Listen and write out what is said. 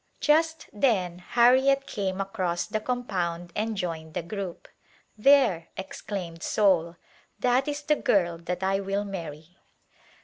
Just then Harriet came across the compound and joined the group. " There," exclaimed Soule, "that is the girl that I will marry."